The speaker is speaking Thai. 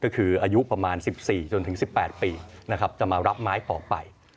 คืออายุประมาณ๑๔๑๘ปีจะมารับไม้ต่อไป